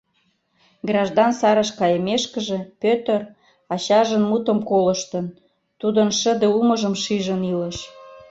Граждан сарыш кайымешкыже, Пӧтыр, ачажын мутым колыштын, тудын шыде улмыжым шижын илыш.